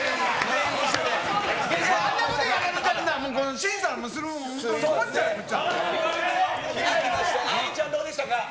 愛梨ちゃん、どうでしたか。